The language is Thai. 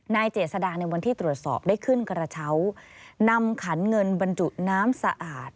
เจษดาในวันที่ตรวจสอบได้ขึ้นกระเช้านำขันเงินบรรจุน้ำสะอาด